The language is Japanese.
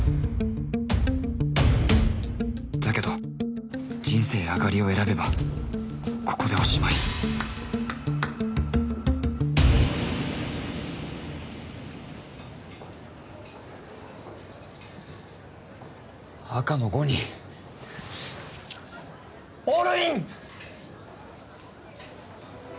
だけど人生あがりを選べばここでおしまい赤の５にオールイン！